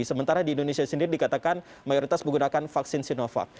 sementara di indonesia sendiri dikatakan mayoritas menggunakan vaksin sinovac